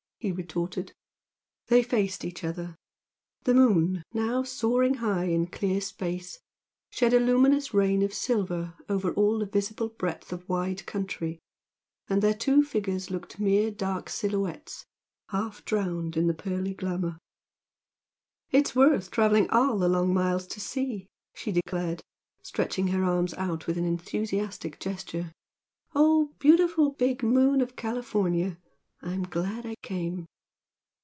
he retorted. They faced each other. The moon, now soaring high in clear space, shed a luminous rain of silver over all the visible breadth of wild country, and their two figures looked mere dark silhouettes half drowned in the pearly glamour. "It's worth travelling all the long miles to see!" she declared, stretching her arms out with an enthusiastic gesture "Oh, beautiful big moon of California! I'm glad I came!"